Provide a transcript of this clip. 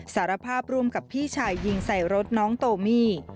สารภาพร่วมกับพี่ชายยิงใส่รถน้องโตมี่